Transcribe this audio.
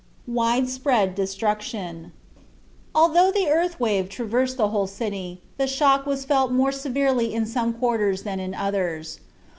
WIDE SPREAD DESTRUCTION Although the earth wave traversed the whole city, the shock was felt more severely in some quarters than in others.